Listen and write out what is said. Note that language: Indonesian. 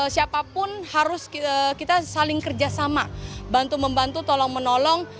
siapapun harus kita saling kerjasama bantu membantu tolong menolong